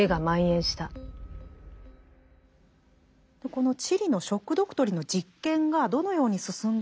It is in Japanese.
このチリの「ショック・ドクトリン」の実験がどのように進んだのか